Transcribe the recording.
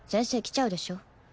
先生来ちゃうでしょ。